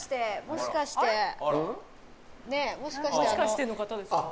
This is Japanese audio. もしかしてあのもしかしての方ですか？